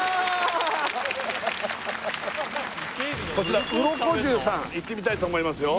こちらウロコジュウさんいってみたいと思いますよ